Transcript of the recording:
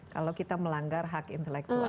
kalau kita melanggar hak intelektual